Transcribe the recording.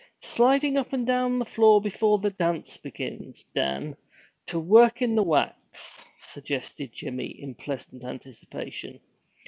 'Sliding up and down the floor before the dance begins, Dan, to work in the wax?' suggested Jimmy, in pleasant anticipation.